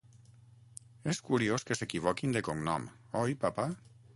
És curiós que s'equivoquin de cognom, oi papa?